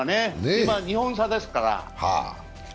今、２本差ですから。